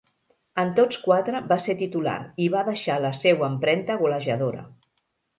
En tots quatre va ser titular i va deixar la seua empremta golejadora.